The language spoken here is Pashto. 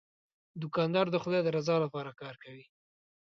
دوکاندار د خدای د رضا لپاره کار کوي.